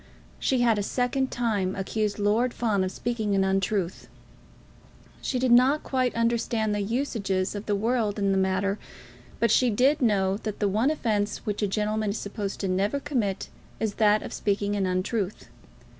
She had a second time accused Lord Fawn of speaking an untruth. She did not quite understand the usages of the world in the matter; but she did know that the one offence which a gentleman is supposed never to commit is that of speaking an untruth.